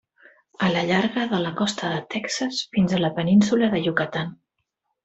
A la llarga de la costa de Texas, fins a la Península de Yucatán.